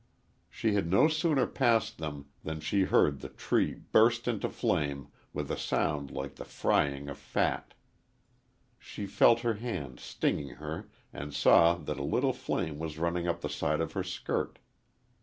She had no sooner passed than she heard the tree burst into flame with a sound like the frying of fat. She felt her hand stinging her and saw that a little flame was running up the side of her skirt.